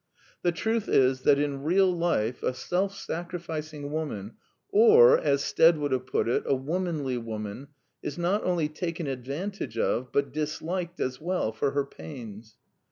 The truth is, that in real life a self sacrificing woman, or, as Stead would have put it, a womanly woman, is not only taken ad vantage of, but disliked as well for her pains.